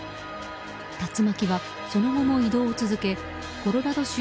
竜巻はその後も移動を続けコロラド州